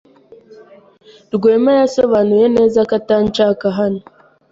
Rwema yasobanuye neza ko atanshaka hano.